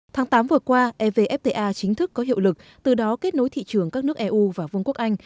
tháng tám vừa qua evfta chính thức có hiệu lực từ đó kết nối thị trường các nước eu và vương quốc anh